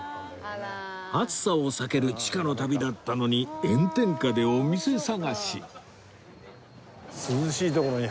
暑さを避ける地下の旅だったのに炎天下でお店探しできたら。